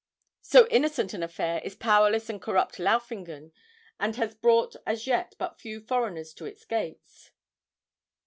So innocent an affair is powerless to corrupt Laufingen, and has brought as yet but few foreigners to its gates.